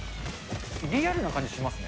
リアルな感じしますね。